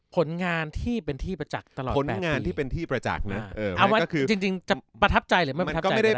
ผลงานที่เป็นที่ประจักษ์ตลอด๘ปี